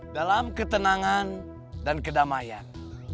dalam ketenangan dan kedamaian